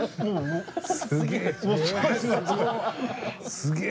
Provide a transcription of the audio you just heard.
すげえ。